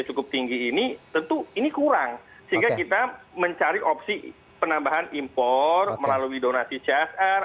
cukup tinggi ini tentu ini kurang sehingga kita mencari opsi penambahan impor melalui donasi csr